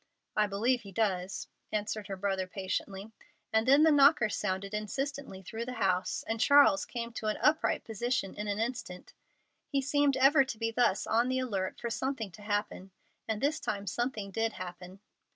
"I believe he does," answered her brother patiently, and then the knocker sounded insistently through the house, and Charles came to an upright position in an instant. He seemed ever to be thus on the alert for something to happen. And this time something did happen.